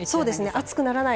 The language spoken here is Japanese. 暑くならない。